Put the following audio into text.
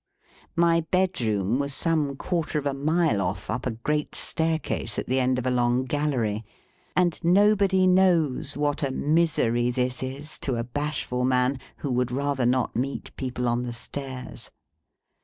My bedroom was some quarter of a mile off, up a great staircase at the end of a long gallery; and nobody knows what a misery this is to a bashful man who would rather not meet people on the stairs.